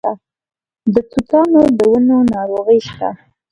د توتانو د ونو ناروغي شته؟